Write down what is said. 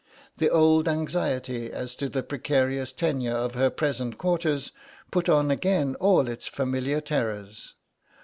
The old anxiety as to her precarious tenure of her present quarters put on again all its familiar terrors.